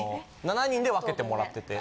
７人で分けてもらってて。